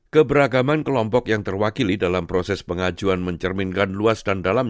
keberagaman kesehatan penyelidikan dan penyelidikan parlamen